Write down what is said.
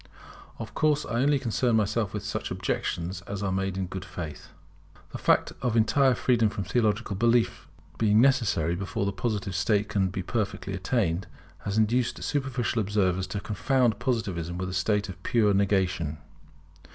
Of course I only concern myself with such objections as are made in good faith. The fact of entire freedom from theological belief being necessary before the Positive state can be perfectly attained, has induced superficial observers to confound Positivism with a state of pure negation.